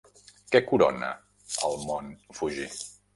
Què corona el mont Fuji?